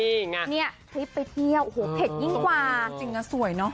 นี่ไงเนี้ยเป็นที่เนี้ยอู้แฮปตายิ้งกว่าอ๋อจริงเสียสวยเนอะ